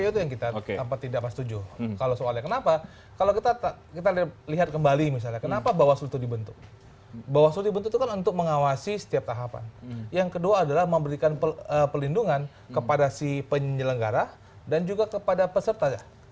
pkpu itu yang kita tidak setuju kalau soalnya kenapa kalau kita lihat kembali misalnya kenapa bawaslu itu dibentuk bawaslu dibentuk itu kan untuk mengawasi setiap tahapan yang kedua adalah memberikan pelindungan kepada si penyelenggara dan juga kepada peserta ya